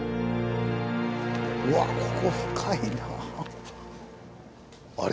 うわっここ深いな。